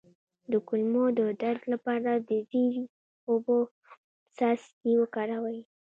د کولمو د درد لپاره د زیرې او اوبو څاڅکي وکاروئ